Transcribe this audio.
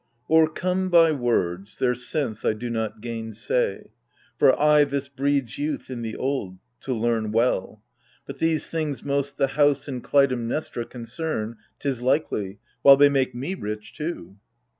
O'ercome by words, their sense I do not gainsay. For, aye this breeds youth in the old —" to learn well. " But these things most the house and Klutaimnestra Concern, 'tis likely : while they make me rich, too.